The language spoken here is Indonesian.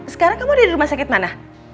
sekarang kamu di rumah sakit mana